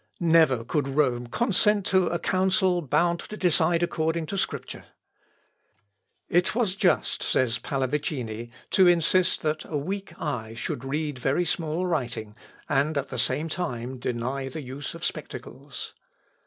Never could Rome consent to a Council bound to decide according to Scripture. "It was just," says Pallavicini, "to insist that a weak eye should read very small writing, and at the same time deny the use of spectacles."